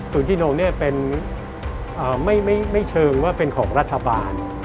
ศูนย์ที่โน้งไม่เชิงว่าเป็นของรัฐบาล